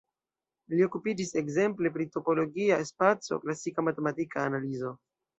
Li okupiĝis ekzemple pri topologia spaco, klasika matematika analizo.